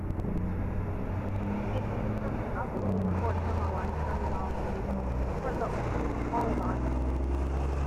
It is from the obsolete "hortonolite" terminology for the olivine series.